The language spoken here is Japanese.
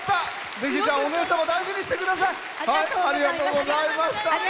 ぜひ、おねえ様を大事にしてください！